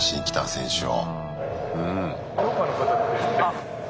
選手を。